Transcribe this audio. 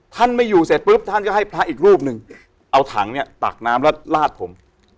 ท่านไม่อยู่เสร็จปุ๊บท่านก็ให้พระอีกรูปหนึ่งเอาถังเนี่ยตักน้ำแล้วลาดผม